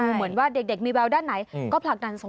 เหมือนว่าเด็กมีแววด้านไหนก็ผลักดันสม